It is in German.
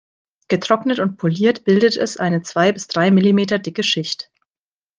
Getrocknet und poliert bildet es eine zwei bis drei Millimeter dicke Schicht.